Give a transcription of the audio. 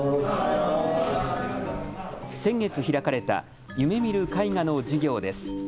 先月、開かれた夢見る絵画の授業です。